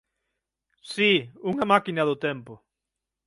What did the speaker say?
Si, unha máquina do tempo.